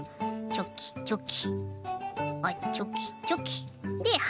チョキチョキ。